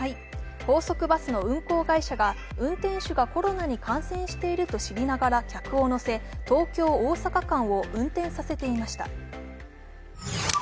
高速バスの運行会社が運転手がコロナに感染していると知りながら客を乗せ東京−大阪間を運転させていました。